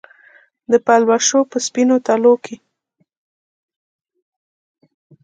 د پلوشو په سپینو تلو کې